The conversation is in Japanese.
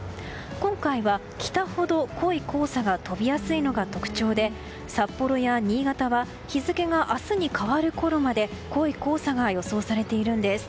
今回は北ほど濃い黄砂が飛びやすいのが特徴で札幌や新潟は日付が明日に変わるころまで濃い黄砂が予想されているんです。